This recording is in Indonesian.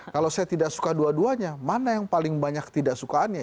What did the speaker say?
kalau saya tidak suka dua duanya mana yang paling banyak ketidaksukaannya